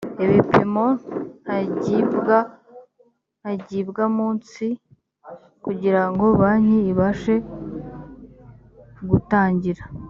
ibipimo ntagibwamunsi kugira ngo banki ibashe gutangira